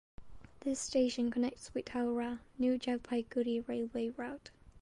This station connects with Howrah–New Jalpaiguri railway route.